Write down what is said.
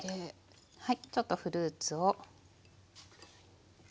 ちょっとフルーツを。